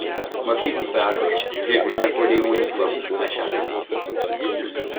Moi qui vous parle, j’ai vu Napoléon une fois, à Chartres.